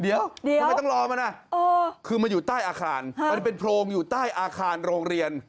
เดี๋ยวทำไมต้องรอมันคือมาอยู่ใต้อาคารมันเป็นโพรงอยู่ใต้อาคารโรงเรียน